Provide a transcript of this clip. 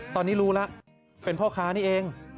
ตอนนี้รู้แล้วเป็นพ่อค้านี่เอง